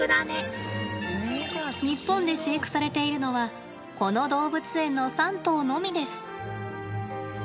日本で飼育されているのはこの動物園の３頭のみです。